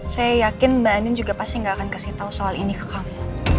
saya yakin mbak anin juga pasti gak akan kasih tahu soal ini ke kamu